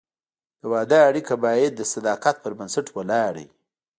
د واده اړیکه باید د صداقت پر بنسټ ولاړه وي.